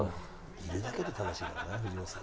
いるだけで楽しいからな藤本さん。